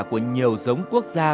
của nhiều giống quốc gia